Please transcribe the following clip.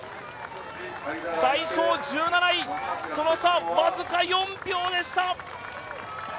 ダイソー１７位、その差僅か４秒でした。